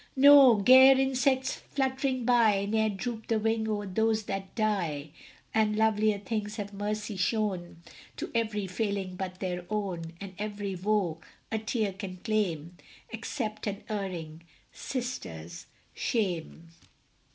No: gayer insects fluttering by Ne'er droop the wing o'er those that die, And lovelier things have mercy shown To every failing but their own, And every woe a tear can claim, Except an erring sister's shame.